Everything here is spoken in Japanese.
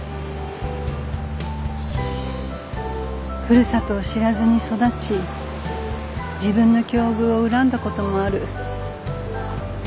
ふるさとを知らずに育ち自分の境遇を恨んだこともある。